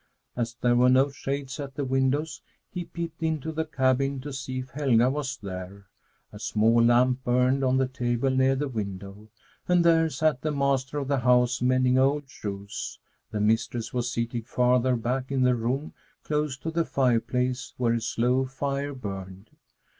As there were no shades at the windows, he peeped into the cabin to see if Helga was there. A small lamp burned on the table near the window, and there sat the master of the house, mending old shoes. The mistress was seated farther back in the room, close to the fireplace, where a slow fire burned.